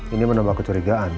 ini menambah kecurigaan